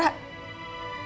aku yang nuntut